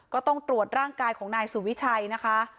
ก็ต้องตรวจร่างกายของนายสุวิชัยนะคะ